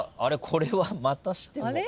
これはまたしても。